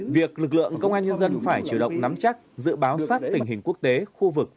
việc lực lượng công an nhân dân phải chủ động nắm chắc dự báo sát tình hình quốc tế khu vực và các nơi